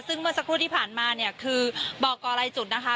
ซึ่งเมื่อสักครู่ที่ผ่านมาเนี่ยคือบอกกรรายจุดนะคะ